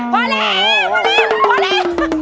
พอแล้วพอแล้วพอแล้ว